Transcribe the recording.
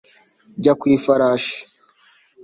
Jya ku ifarashi